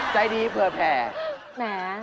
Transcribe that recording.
ใจดีเผื่อแพง